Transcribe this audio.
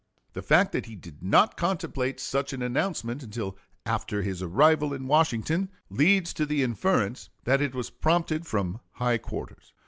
The fact that he did not contemplate such an announcement until after his arrival in Washington leads to the inference that it was prompted from high quarters.